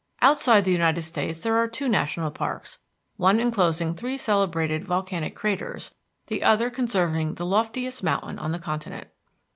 Outside the United States there are two national parks, one enclosing three celebrated volcanic craters, the other conserving the loftiest mountain on the continent.